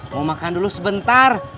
mau makan dulu sebentar